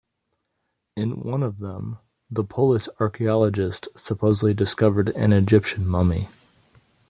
In one of them, the Polish archaeologists supposedly discovered an Egyptian mummy.